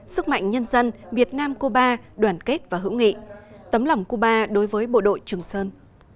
sức mạnh nhân dân việt nam cuba đoàn kết và hữu nghị tấm lòng cuba đối với bộ đội trường sơn